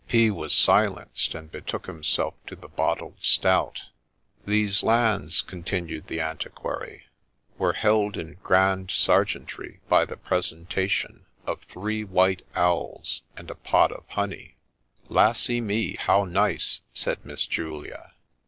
P. was silenced, and betook himself to the bottled stout. ' These lands,' continued the antiquary, ' were held in grand serjeantry by the presentation of three white owls and a pot of honey '' Lassy me ! how nice !' said Miss Julia.